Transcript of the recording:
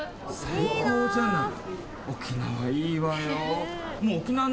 最高じゃない。